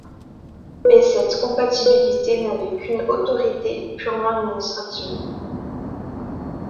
Mais cette comptabilité n'avait qu'une autorité purement administrative.